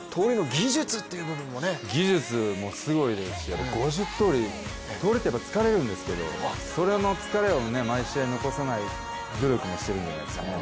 技術というのもすごいですし５０盗塁、盗塁って疲れるんですけど、その疲れを毎試合残さない努力もしているんじゃないですかね。